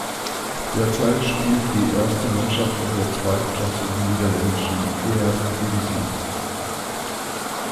Derzeit spielt die erste Mannschaft in der zweitklassigen niederländischen Eerste Divisie.